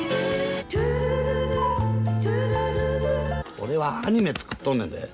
俺はアニメ作っとんねんで。